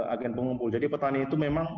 agen pengumpul jadi petani itu memang